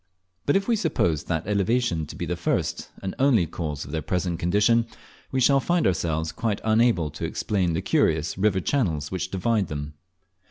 But if we suppose that elevation to be the first and only cause of their present condition, we shall find ourselves quite unable to explain the curious river channels which divide them.